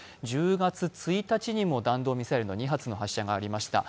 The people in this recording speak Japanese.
１０月１日にも弾道ミサイル２発の発射がありました。